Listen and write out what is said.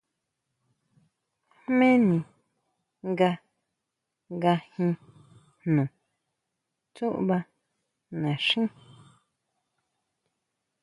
¿Jméni nga ngajin jno tsuʼbajín naxín?